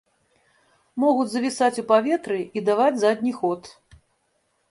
Могуць завісаць у паветры і даваць задні ход.